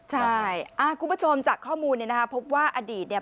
ใช่คุณผู้ชมจากข้อมูลเนี่ยนะคะพบว่าอดีตเนี่ย